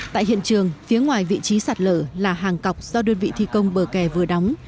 tại hiện trường phía ngoài vị trí sạt lở là hàng cọc do đơn vị thi công bờ kè vừa đóng